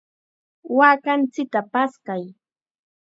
¡Waakanchikta paskay!